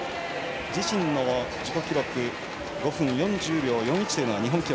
自身の自己記録５分４０秒４１というのが日本記録。